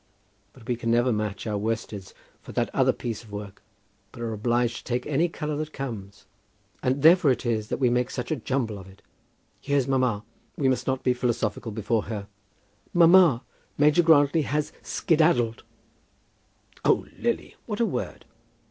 But we can never match our worsteds for that other piece of work, but are obliged to take any colour that comes, and, therefore, it is that we make such a jumble of it! Here's mamma. We must not be philosophical before her. Mamma, Major Grantly has skedaddled." "Oh, Lily, what a word!"